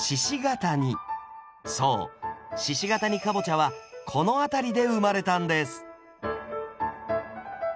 そう鹿ケ谷かぼちゃはこの辺りで生まれたんです